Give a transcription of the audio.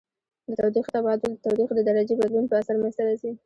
د تودوخې تبادل د تودوخې د درجې بدلون په اثر منځ ته راځي.